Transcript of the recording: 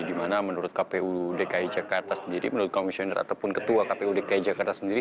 di mana menurut kpud dki jakarta sendiri